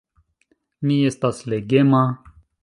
Mi estas legema.